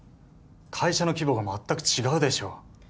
会社の規模が全く違うでしょう